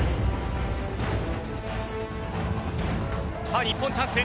さあ日本チャンス。